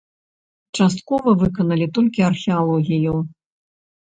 Часткова выканалі толькі археалогію.